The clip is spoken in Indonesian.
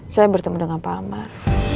saya bertemu dengan pak amar